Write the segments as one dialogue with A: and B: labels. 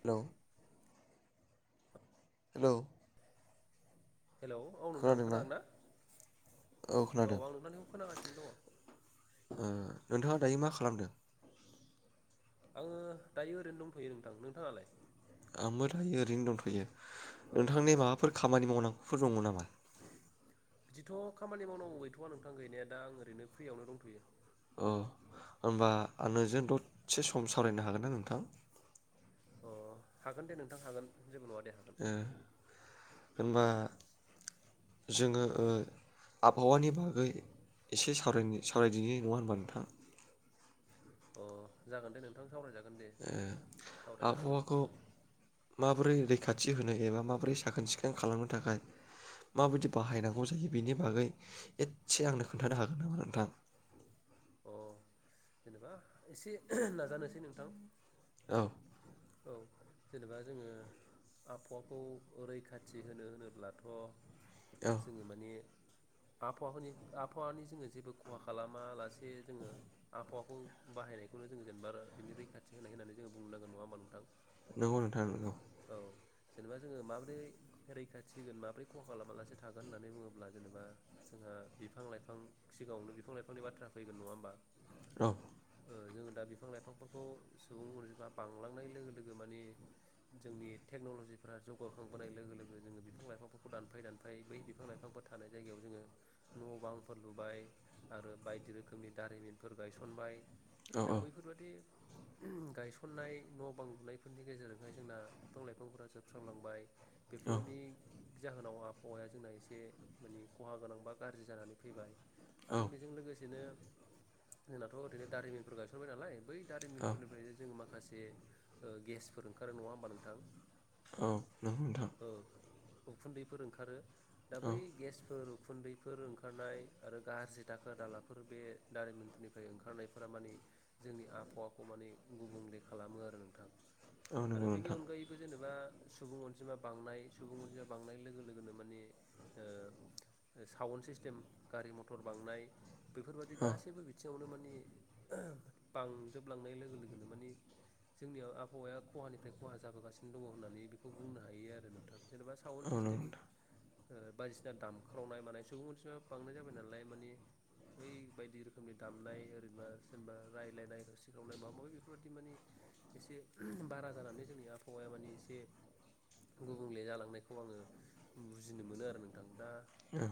A: Hello hello
B: hello औ नोंथां
A: खोनादोंना
B: खोनादों ना औ आं नोंथांनिखौ खोनागासिनो दङ
A: ओ नोंथाङा दायो मा खालामदों?
B: आङो दायो ओरैनो दंथ'यो नोंथां नोंथाङालाय?
A: आंबो दायो ओरैनो दंथ'यो
B: औ
A: नोंथांनि माबाफोर खामानि मावनांगौ फोर दङ नामा?
B: बिदिथ' खामानि मावनांगौ गैथ'वा नोंथां गैनाया दा आं ओरैनो फ्रियावनो दंथ'यो।
A: अ होनबा नोंजों दसे सम सावरायनो हागोनना नोंथां।
B: अ हागोन दे नोंथां हागोन जेबो नङा दे हागोन
A: ओ होनबा जोङो ओ आबहावानि बागै एसे साव-सावरायदिनि नङा होनबा नोंथां
B: अ जागोन दे नोंथां सावरायजागोन। दे जोङो सावरायनो हागोन
A: आबहावाखौ माबोरै दै खाथि होनो एबा माबोरै साखोन सिखोन खालामनो थाखाय माबायदि बाहायनांगौ जायो बेनि बागै एसे आंनो खोन्थानो हागोन नामा नोंथां।
B: अ जेनेबा एसे नाजानोसै नोंथां।
A: औ
B: औ जेनेबा जोङो आबहावाखौ रैखाथि होनो होनोब्लाथ'
A: औ
B: जोङो माने आबहावानि आबहावानि जोङो जेबो खहा खालामालासि जे जोङो आबहावाखौ बाहायनायखौनो जोङो जेनेबा बिनि रैखाथि होनाय होननानै जोङो बुंनांगोन नङा होमबा नोंथां।
A: नंगौ नोंथां नोंगौ
B: औ जेनेबा जोङो माबोरै रैखाथि होगोन माबोरै खहा खालामा लासे थागोन होननानै बुङोब्ला जेनेबा जोंहा बिफां लाइफां सिगाङावनो बिफां लाइफांनि बाथ्रा फैगोन नङा होनोमबा
A: र
B: ओ जोङो दा बिफां लाइफांफोरखौ सुबुं अनजिमाफ्रा बांलांनाय लोगो लोगो मानि जोंनि टेक्न'लजिफ्रा जौगाखांबोनाय लोगो लोगो जोङो बिफां लाइफांफोरखौ दानफाय दानफाय बै बिफां लाइफांफोर थानाय जायगायाव जोङो न' बांफोर लुबाय आरो बायदि रो रोखोमनि दारिमिनफोर गायसनबाय।
A: औ
B: दा
A: औ
B: बैफोरबादि गायसननाय न' बां लुनायफोरनि गेजेरजोंहाय जोंना बिफां लाइफांफोरा जोबस्रांलांबाय। बेफोरनि जाहोनाव आबहावाया जोंना एसे माने खहा गोनां बा गाज्रि जानानै फैबाय।
A: औ
B: आरो बेजों लोगोसेनो जोंनाथ' ओरैनो दारिमिनफोर गायसनबाय नालाय बै
A: औ
B: दारिमिनफोरनिफ्राय जों मा खासे ओ गेसफोर ओंखारो नङा होमबा नोंथां
A: औ नोंगो नोंथां
B: उखुनदैफोर ओंखारो। दा
A: औ
B: बै गेसफोर उखुनदैफोर ओंखारनाय आरो गाज्रि दाखोर दालाफोर बे दारिमिनफोरनिफ्राय ओंखारनायफोरा माने जोंनि आबहावाखौ माने गुबुंले खालामो आरो नोंथां
A: औ नंगौ
B: आरो बिनि
A: नोंथां
B: अनगायैबो जेनेबा सुबुं अनजिमा बांनाय सुबुं अनजिमा बांनाय लोगो लोगोनो माने साउन्ड सिस्टेम गारि मथर बांनाय बै
A: औ
B: गासैबो बिथिङावनो मा ने बांजोबलांनाय लोगो लोगोनो माने जोंनियाव आबहावाया खहानिफ्राय खहा जाबोगासिनो दङ होननानै बेखौ बुंनो हायो आरो नोंथां। जेनेबा साउड
A: औ नंगौ
B: सिस्टेम
A: नोंथां
B: बायदिसिना दामख्रावनाय मानाय सुबुं मोनसिमा बांनाय जाबाय नालाय माने ओइ बायदि रोखोमनि दामनाय ओरैबा सोरेनबा रायलायनाय होस्रिखावनाय माबा माबि बेफोरादि माने एसे बारा जानानै जोंनि आबहावाया माने एसे गुबुंले जालांनायखौ आंङो बुजिनो मोनो आरो नोंथां दा
A: औ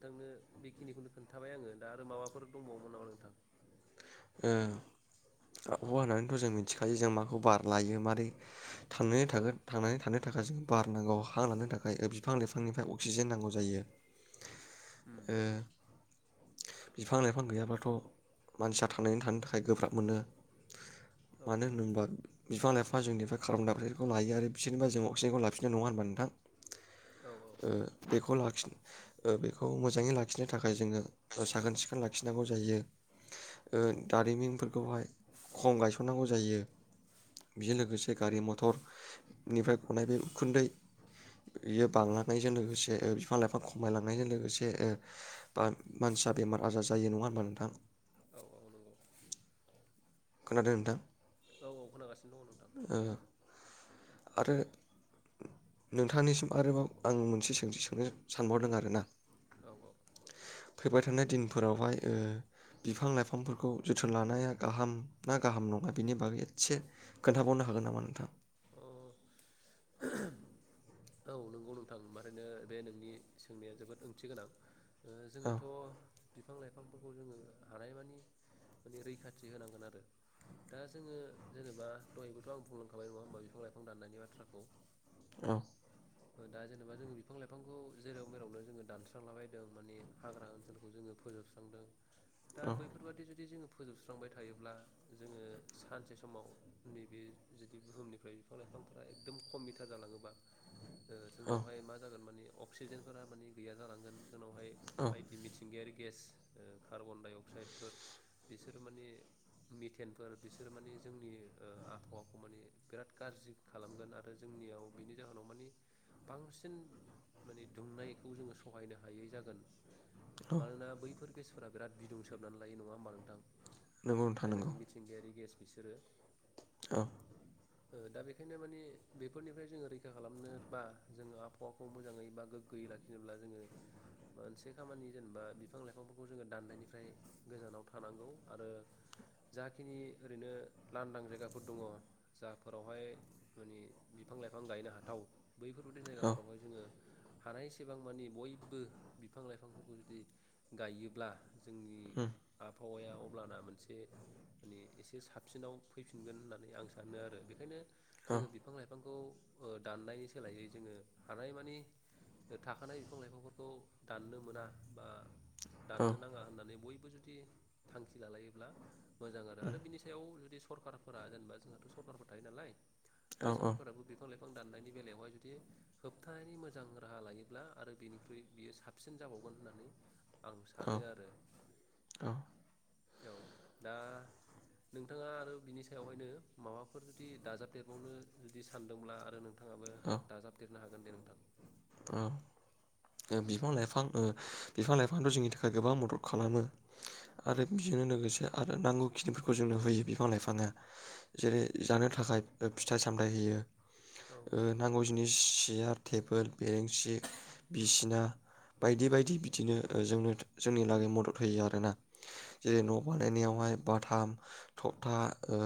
B: नोंथांनो बेखिनिखौनो खोन्थाबाय आंङो दा आरो माबा फोर दंबावोमोन नामा नोंथां।
A: आबहावा होननानैथ' जों मिथिखायो जों माखौ बार लायो मारै थांनाया
B: औ
A: थागोन थांनानै थागोन थाखाय जोंनो बार नांगौ हां लानो थाखाय बिफां लाइफांनिफ्राय अक्सिजेन नांगौ जायो ओ बिफां लाइफां गैयाबाथ' मानसिया थांनानै थानो थाखाय गोब्राब मोनो।
B: औ
A: मानो होनोबा बिफां-लाइफां जोंनिफ्राय कार्बनदाइ अक्साइदखौ लायो बिसोरनिफ्राइ जों अक्सिजेनखौ लाफिनो नङा होनबा नोंथां?
B: औ औ
A: ओ बेखौ लाखि ओ बेखौ मोजाङै लाखिनो थाखाय थाखाय जोङो
B: जोङो
A: साखोन-सिखोन लाखि खिनांगौ जायो। दारिमिनफोरखौहाय
B: औ
A: खम गायसननांगौ जायो बेजों लोगोसे गारि मथरनिफ्राय गनाय बे उखुन्दै बेयो
B: औ
A: बांलांनायजों लोगोसे जे बिफां लाइफां खमायलांनायजों लोगोसे बा मानसिया बेमार आजार जायो नंङा होनबा नोंथां?
B: औ औ नंगौ
A: खोनादों नोंथां?
B: औ औ खोनागासिनो दंङ नोंथां
A: ओ आरो नोंथांनिसिम आरोबाव आं मोनसे सोंथि सोंनो सानबावदों आरोना।
B: औ
A: फैबाय थानाय दिनफोरावहाय बिफां लाइफांफोरखौ जोथोन लानाया गाहाम ना गाहाम नङा बिनि बागै एसे खोन्थाबावनो हागोन नामा नोंथां?
B: औ नंगौ नोंथां ओफ्रायैनो बे नोंनि सोंनाया जोबोद ओंथि गोनां।
A: औ
B: जोंङोथ' बिफां लाइफांफोरखौ जोङो हानायमानि माने रैखाथि होनांगोन आरो दा जोंङो जेनेबा दहायबोथ' आं बुंलांखाबाय नङा होमबा बिफां-लाइफां दाननायनि बाथ्राखौ
A: औ
B: दा जेनेबा जोङो बिफां-लाइफांखौ जेराव मेरावनो जोङो दानस्रांला बायदों माने हाग्रा ओनसोलखौ जोङो फोजोबस्रांदों दा
A: औ
B: बैफोरबादि जुदि जोङो फोजोबस्रांबाय थायोब्ला जोङो सानसे समाव नैबे जुदि बुहुमनिफ्राय बिफां लाइफांफोरा एकदम खमिथार जालाङोबा ओ जोंनावहाय मा जागोन माने अक्सिजेनफोरा माने गैया जालांगोन। जोंनावहाय
A: औ
B: आइ पि मिथिंगायारि गेस। ओ कार्बन-डाइ-अक्साइडफोर बिसोर माने मिथेनफोर बिसोर माने जोंनि ओ आबहावाखौ माने बिराद गाज्रि खालामगोन आरो जोंनियाव बिनि जाहोनाव माने। बांसिन माने दुंनायखौ जोङो सहायनो हायै जागोन।
A: औ
B: मानोना बैफोर। [unintelligible] फोरा बिराद बिदुं सोबनानै लायो। नङा होमबा नोंथां?
A: नंगौ नोंथां नंगौ
B: जायनाखि मिथिंगायारि गेस। बिसोरो।
A: औ।
B: ओ दा बेखायनो माने बेफोरनिफ्राय जोङो रैखा खालामनो बा जोङो आबहावाखौ मोजाङै बा गोग्गोयै लाखिनोब्ला जोङो मोनसे खामानि जेनेबा बिफां लाइफांफोरखौ जोङो दाननायनिफ्राय गोजानाव थानांगौ आरो जाखिनि ओरैनो लांदां जायगाफोर दङ जाफोरावहाय माने बिफां लाइफां गायनो हाथाव। बैफोरबायदि
A: औ
B: जायगाफोरावहाय जोङो हानायसेबां मानि बयबो बिफां लाइफांफोरखौ जुदि गायोब्ला जोंनि
A: उम
B: आब हौवाया अब्लाना मोनसे माने एसे साबसिनाव फैफिनगोन होननानै आं सानो आरो। बेखायनो
A: औ
B: जोङो बिफां लाइफांखौ ओ दाननाय सोलायै जोङो हानायमानि थाखानाय बिफां लाइफांफोरखौ दाननो मोना बा।
A: औ
B: दाननो नाङा होननानै बयबो खौ जुदि थांखि लालायोब्ला मोजां आरो आरो बिनि सायाव जुदि सरकारफोरा जेनेबा जोंहाथ' सरखारफोर थायो नालाय
A: औ
B: बै सरखारफोराबो बिफां लाइफां बिफां दाननायनि बेलायावहाय [unintelligible] दि होबथानायनि मोजां राहा लायोब्ला आरो बिनिख्रुइ बियो साबसिन जाबावगोन होननानै आं
A: औ
B: सानो आरो औ, दा नोंथाङा आरो बिनि सायावहायनो माबाफोर जुदि दाजाबदेरबावनो जुदि सानदोंब्ला आरो नों थाङाबो
A: औ
B: [unintelligible] देरनो हागोन दे नोंथां
A: औ ओ बिफां लाइफां ओ बिफां लाइफाङाथ' जोंनि थाखाय गोबां मदद खालामो।
B: औ
A: आरो बिजोंनो लोगोसे। आरो नांगौ खिनिफोरखौ जोंनो होयो बिफां लाइफाङा।
B: औ
A: जेरै जानो थाखाय फिथाइ सामथाय होयो
B: औ
A: ओ नांगौ जिनिस सियार थेबोल बेरेंसि बिसिना बायदि बायदि बिदिनो जोंनो जोंनि
B: उम
A: लागै मदद होयो आरो ना जेरै
B: औ
A: न' बानायनायावहाय बाथाम थबथा ओ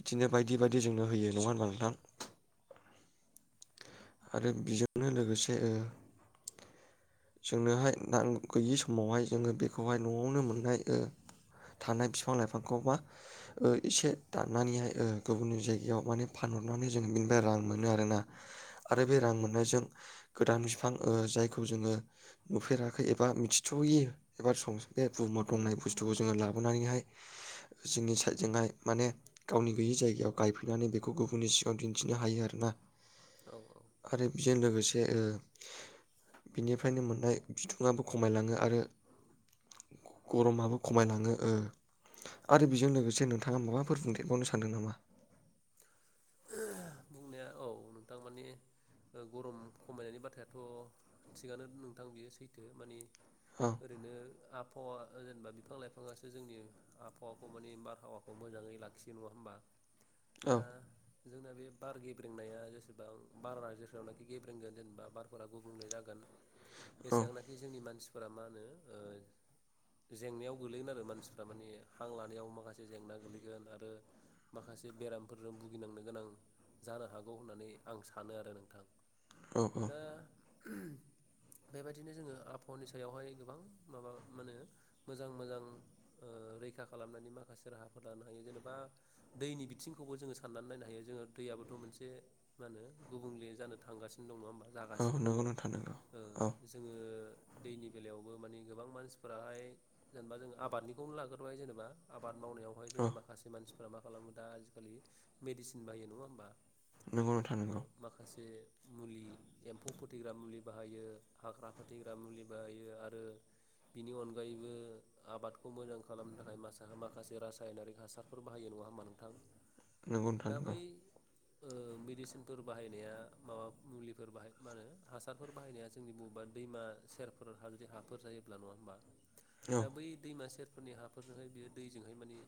A: बिदिनो बायदि बायदि जोंनो होयो
B: बिदि
A: नङा
B: जोंना
A: होनबा
B: होयो।
A: नोंथां आरो बेजोंनो लोगोसे ओ जोंनोहाय [unintelligible] गैयि समावहाय जोङो बेखौहाय न'आवनो मोननाय ओ थानाय बिफां लाइफांखौ बा मा एसे दाननानैहाय ओ गुबुननि जायगायाव माने फानहरनानै जोङो बेनिफ्राय रां मोनो आरोना
B: औ
A: आरो बे रां मोननायजों गोदान बिफां ओ जायखौ जोङो नुफेराखै एबा मिथिथ'यो एबा सं बे बुहुम दंनाय बुस्थुखौ जोङो लाबोनानैहाय जोंनि साइडजोंहाय माने गावनि गैयै जायगायाव गायफैनानै बेखौ गुबुननि सिगाङाव दिन्थिनो हायो आरोना
B: औ औ
A: आरो बेजों लोगोसे ओ बिनि निफ्रायनो मोननाय बिदुंआबो खमायलाङो आरो गरमाबो खमायलाङो ओ आरो
B: उम
A: बेजों लोगोसे नोंथाङा माबाफोर बुंदेरबावनो सानदों नामा
B: ए औ नोंथां मानि गरम खमायनायनि बाथ्रायाथ' थिगानो नोंथां बेयो सैथो मानि
A: औ
B: ओरैनो आबहावा जेनेबा बिफां लाइफाङासो जोंनि आबहावाखौ मानि बारहावाखौ मोजाङै लाखियो नङा होमबा।
A: औ
B: दा जोंना बे बार गेब्रेंनाया जेसेबां बारा जेसेबांनाखि गेब्रेंगोन जेनेबा बारफोरा गुबुंले जागोन
A: औ
B: एसेंनाखि जोंनि मानसिफोर फोरा मा होनो ओ जेंनायाव गोलैगोन आरो मानसिफ्रा माने हां लानायाव माखासे जेंना गोग्लैगोन आरो माखासे बेरामफोरजों भुगिनांनो गोनां जानो हागौ होननानै आं सानो आरो नोंथां।
A: औ औ
B: दा बेबायदिनो जोङो आबहावानि सायावहाय गोबां माबा माहोनो मोजां मोजां ओ रैखा खालामनानै माखासे राहाफोर लानो हायो जेनेबा दैनि बिथिंखौबो जोङो साननानै नायनो हायो जोङो दैयाबोथ' मोनसे मा होनो गुबुंले जानो थांगासिनो दङ नङा होमबा
A: औ
B: जागासिनो दङ
A: नंगौ
B: ओ
A: नोंथां नंगौ औ
B: जोङो दैनि बेलायावबो माने गोबां मानसिफोराहाय जेनेबा जों आबादनिखौनो लाग्रोबाय जेनेबा आबाद मावनायावहाय
A: औ
B: जोङो माखासे मानसि मा खालामो दा आजिखालि मेडिसिन बायो नङा होमबा।
A: नंगौ नोंथां नंगौ
B: बे मुलि एम्फौ फोथैग्रा मुलि बाहायो हाग्रा फोथैग्रा मुलि बाहायो आरो बिनि अनगायैबो आबादखौ मोजां खालामनो थाखाय मासा-माखासे रासायनारिक हासारफोर बाहायो नङा होमबा नोंथां।
A: नंगौ नोंथां
B: दा
A: नंगौ
B: बै ओ मेडिसिनफोर बाहायनाया माबा मुलिफोर बाहाय मा होनो हासारफोर बाहायनाया जोंनि बबेबा दैमा सेरफोर जुदि हाफोर जायोब्ला नङा होमबा दा
A: औ
B: बै दैमा सेर फोरनि हाफोरजोंहाय बेयो दैजोंहाय मानि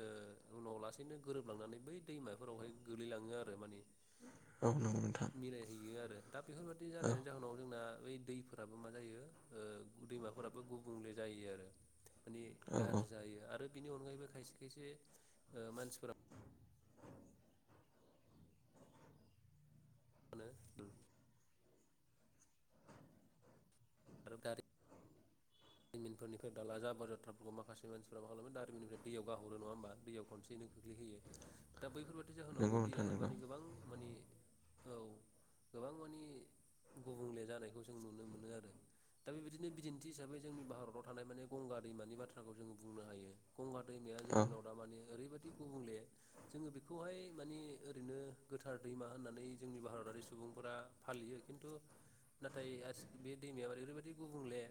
B: ओ उनाव लासैनो गोरोबलांनानै बै दैमाफोरावहाय गोलैलाङो आरो माने
A: औ नंगौ नोंथां
B: मिलाय हैयो आरो। दा बेफोरबादि
A: औ
B: जानायनि जाहोनाव जोंना बै दैफोराबो मा जायो ओ दैमाफोराबो गुबुंले जायो आरो। माने
A: औ औ
B: गाज्रि जायो आरो बिनि अनगायैबो खायसे खायसे ओ मानसिफोरा मा होनो आरो दारि मिनफोरनिफ्राय दाला जाबार जाथ्राफोरखौ माखासे मानसिफ्रा मा खालामो दारिमिननिफ्राय दैयाव गाहरो नङा होमबा दैयाव खनसेयैनो खोख्लैहोयो दा बैफोर बाय
A: नंगौ नोंथां नोंगौ
B: मानि औ गोबां मानि गुबुंले जानायखौ जों नुनो मोनो आरो। दा बेबायदिनो बिदिन्थि हिसाबै जोंनि भारताव थानाय माने गंगा दैमानि बाथ्राखौ जों बुंनो हायो गंगा दैमाया
A: औ
B: जोंनियाव दामानि ओरैबायदि दि गुबुंले जोङो बेखौहाय मानि ओरैनो गोथार दैमा होननानै जोंनि भारतारि सुबुंफोरा फालियो खिन्थु नाथाय आस बे दैमाया ओरै बायदि गुबुंले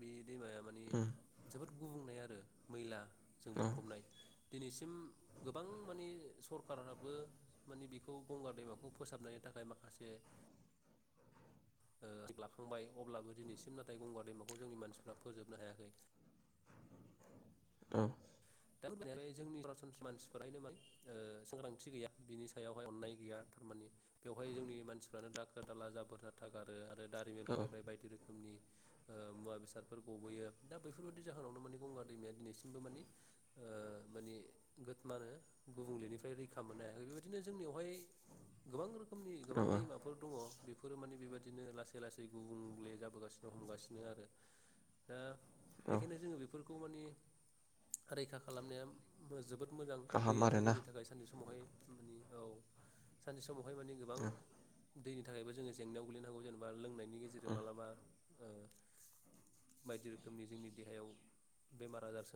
B: बे दैमाया मानि
A: उम
B: जोबोद गुबुंनाय आरो मैला जों
A: औ
B: बुंफबनाय दिनैसिम गोबां मानि सरखारहाबो मानि बेखौ गंगार दैमाखौ फोसाबनायनि थाखाय माखासे अ लाखांबाय अब्लाबो दिनैसिम नाथाय गंगार दैेमाखौ जोंनि मानसिफ्रा फोजोबनो हायाखै
A: औ
B: दाम जोंनि सरासनस्रा मानसिफोरनो माय सांग्रांथि गैया बिनि सायावहाय अननाय गैया थारमानि बेवहाय जोंनि मानसिफ्रानो दाखोर दाला जाबोर जाथा गारो
A: औ
B: दारिमिनफोरनिफ्राय बायदि रोखोम- नि मुवा बेसादफोर गबोयो दा बैफोरबायदि जाहोनावनो माने गंगार दैमाया दिनैसिमबो मानि अ माने गोथ मानो गुबुंलेनिफ्राय रैखा मोननो हायाखै बेबायदिनो जोंनियावहाय गोबां रो- खोमनि गोबां
A: औ औ
B: दैमाफोर दङ बेफोरो माने बेबायादिनो लासै-लासै गुबुंले जाबोगासिनो हमगासिनो आरो दा
A: औ
B: बेखायनो जोङो बेफोर- खौ माने रैखा खालामनाया मो जोबोद मोजां
A: गाहाम
B: दैयाबो
A: आरोना
B: जोंनि थाखाय सानसे समावहाय उम औ सान बेवहाय माने गोबां
A: औ
B: दैनि थाखायबो जोङ जेंनायाव गोलैनांगौ जेनेबा लोंनायनि बिनि गेजेरजों
A: औ
B: मालाबा बायदि रोखोमनि जोंनि देहायाव बेमार आजार समजियो